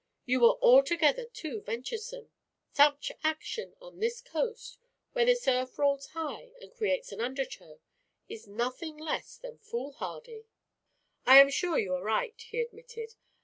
You were altogether too venturesome. Such action on this coast, where the surf rolls high and creates an undertow, is nothing less than foolhardy." "I'm sure you are right," he admitted.